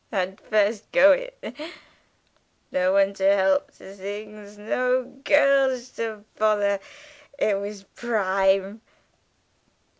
Had first go in. No one to help to thingsh. No girlsh to bother. It was prime!